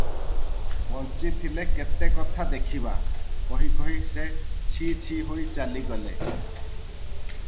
ବଞ୍ଚିଥିଲେ କେତେକଥା ଦେଖିବା- କହି କହି ସେ ଛି-ଛି ହୋଇ ଚାଲିଗଲେ ।